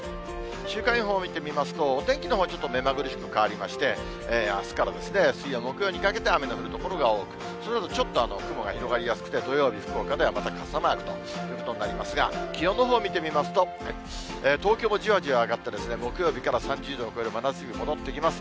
週間予報を見てみますと、お天気のほうは、ちょっと目まぐるしく変わりまして、あすから水曜、木曜にかけて雨の降る所が多く、そのあとちょっと雲が広がりやすくて、土曜日、福岡では、また傘マークということになりますが、気温のほう見てみますと、東京もじわじわ上がって、木曜日から３０度を超える真夏日が戻ってきます。